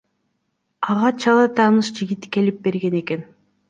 Ага чала тааныш жигит келип берген экен.